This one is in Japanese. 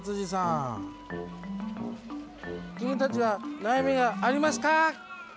君たちは悩みがありますか？